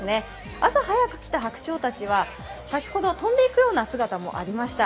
朝早く来た白鳥たちは先ほど飛んでいくような姿もありました。